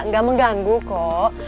enggak mengganggu kok